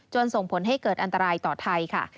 ส่งผลให้เกิดอันตรายต่อไทยค่ะ